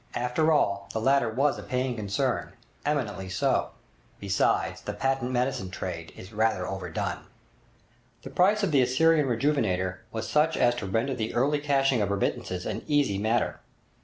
After all, the latter was a paying concern—eminently so! Besides, the patent medicine trade is rather overdone. The price of the 'Assyrian Rejuvenator' was such as to render the early cashing of remittances an easy matter.